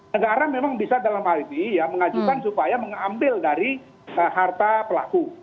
negara memang bisa dalam hal ini ya mengajukan supaya mengambil dari harta pelaku